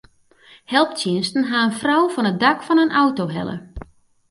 Helptsjinsten ha in frou fan it dak fan in auto helle.